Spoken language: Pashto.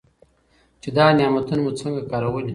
چې دا نعمتونه مو څنګه کارولي.